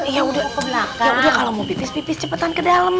ya udah kalo mau pipis pipis cepetan ke dalem